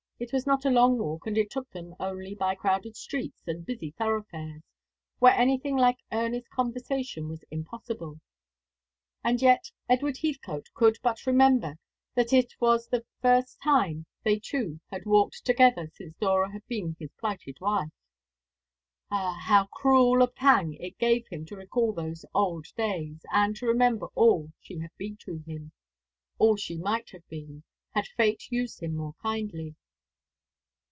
It was not a long walk, and it took them only by crowded streets and busy thoroughfares, where anything like earnest conversation was impossible. And yet Edward Heathcote could but remember that it was the first time they two had walked together since Dora had been his plighted wife. Ah, how cruel a pang it gave him to recall those old days, and to remember all she had been to him, all she might have been, had Fate used him more kindly!